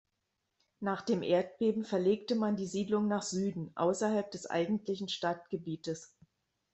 Nach dem Erdbeben verlegte man die Siedlung nach Süden, außerhalb des eigentlichen Stadtgebietes.